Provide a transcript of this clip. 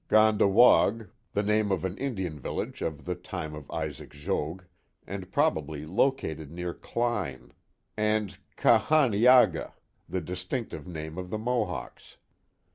Gandawague, the name of an Indian village of the time of Isaac Jogues, and probably located near Kline, and Ca han i a ga, the distinctive name of the Mohawks.